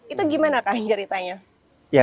itu bagaimana kak ceritanya